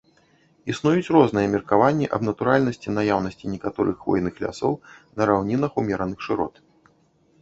Існуюць розныя меркаванні аб натуральнасці наяўнасці некаторых хвойных лясоў на раўнінах ўмераных шырот.